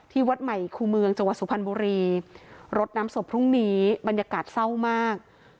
วัดใหม่คู่เมืองจังหวัดสุพรรณบุรีรดน้ำศพพรุ่งนี้บรรยากาศเศร้ามาก